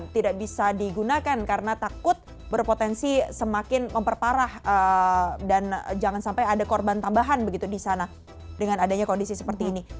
tidak bisa digunakan karena takut berpotensi semakin memperparah dan jangan sampai ada korban tambahan begitu di sana dengan adanya kondisi seperti ini